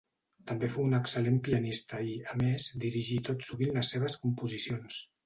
També fou un excel·lent pianista i, a més, dirigí tot sovint les seves composicions.